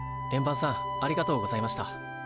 円盤さんありがとうございました。